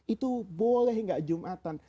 itu boleh enggak jumatan